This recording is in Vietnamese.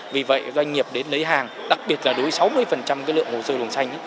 vì vậy doanh nghiệp đến lấy hàng đặc biệt là đối với sáu mươi lượng hồ sơ luồng xanh